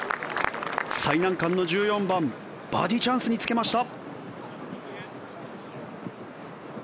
最難関の１４番バーディーチャンスにつけました。